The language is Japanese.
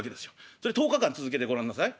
それ１０日間続けてごらんなさい。